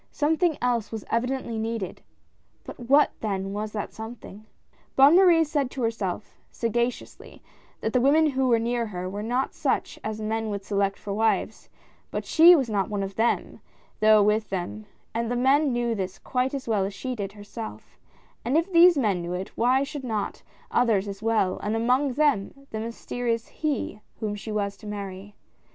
Some thing else was evidently needed. What, then, was that something ? Bonne j\Iarie said to herself, sagaciously, that the women who were near her were not such as men would select for wives ; but she was not of them, though with them, and the men knew this quite as well as she did herself— and if these men knew it, why should not 112 LUCI ANE. others as well, and among them the mysterious he whom she was to marry